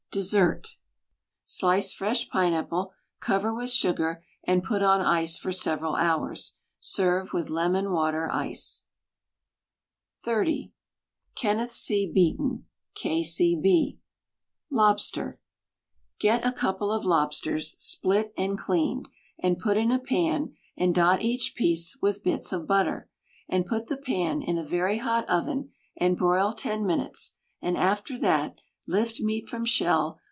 Dessert Slice fresh pineapple, cover with sugar, and put on ice for several hours. Serve with lemon water ice. WRITTEN FOR MEN BY MEN XXX Kenneth C, Beaton ("K. C. B.") LOBSTER Get a couple of lobsters. Split and cleaned. And put in a pan. And dot each piece. With bits of butter. And put the pan. In a very hot oven. And broil ten minutes. And after that. Lift meat from shell.